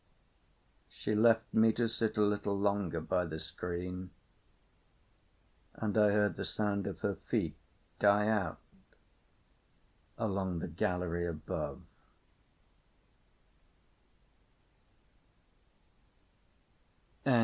She left me to sit a little longer by the screen, and I heard the sound of her feet die out along the gallery above.